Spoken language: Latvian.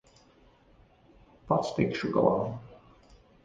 Pats tikšu galā.